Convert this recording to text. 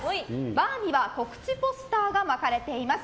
バーには告知ポスターが巻かれています。